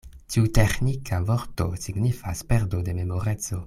Tiu teĥnika vorto signifas: perdo de memoreco.